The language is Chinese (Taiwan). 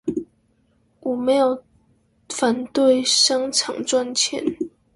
我沒有反對商場賺錢